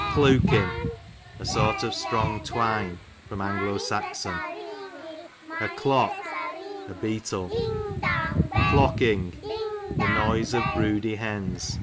Clewkin, a sort of strong twine. A. S. A Clock, a beetle. Clocking, the noise of broody hens.